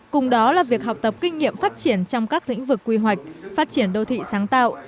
cùng đó là việc học tập kinh nghiệm phát triển trong các lĩnh vực quy hoạch phát triển đô thị sáng tạo